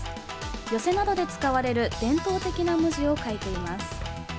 寄席などで使われる伝統的な文字を書いています。